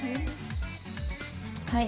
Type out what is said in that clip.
はい。